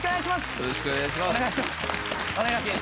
よろしくお願いします。